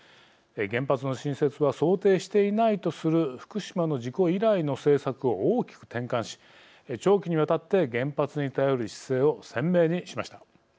原発の新設は想定していないとする福島の事故以来の政策を大きく転換し長期にわたって原発に頼る姿勢を鮮明にしました。